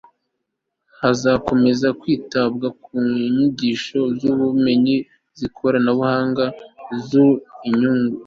hazakomeza kwitabwa ku nyigisho z'ubumenyi, iz'ikoranabuhanga n'iz'imyuga